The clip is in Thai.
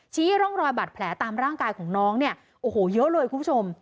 ร่องรอยบาดแผลตามร่างกายของน้องเนี่ยโอ้โหเยอะเลยคุณผู้ชม